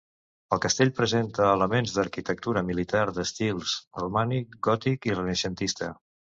El castell presenta elements d'arquitectura militar d'estils romànic, gòtic i renaixentista.